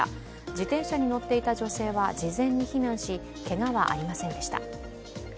自転車に乗っていた女性は事前に避難し、けがはありませんでした。